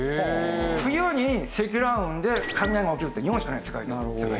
冬に積乱雲で雷が起きるって日本しかないです世界中。